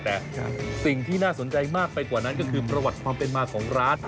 แต่สิ่งที่น่าสนใจมากไปกว่านั้นก็คือประวัติความเป็นมาของร้าน